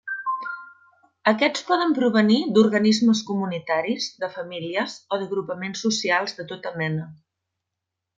Aquests poden provenir d'organismes comunitaris, de famílies o d'agrupaments socials de tota mena.